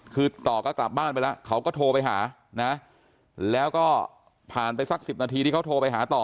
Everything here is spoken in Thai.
คือต่อก็กลับบ้านไปแล้วเขาก็โทรไปหานะแล้วก็ผ่านไปสัก๑๐นาทีที่เขาโทรไปหาต่อ